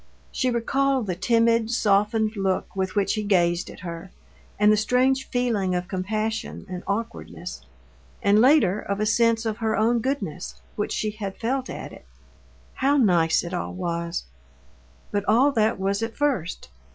She recalled the timid, softened look with which he gazed at her, and the strange feeling of compassion and awkwardness, and later of a sense of her own goodness, which she had felt at it. How nice it all was! But all that was at first.